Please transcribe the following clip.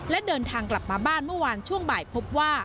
และเดินทางกลับมาบ้านเมื่อวานช่วงบ่ายพบว่า